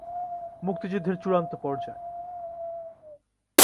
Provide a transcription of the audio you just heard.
মুক্তিযুদ্ধের চূড়ান্ত পর্যায়।